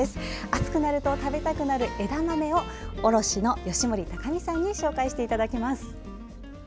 暑くなると食べたくなる枝豆を卸の吉守隆美さんに紹介していただきます。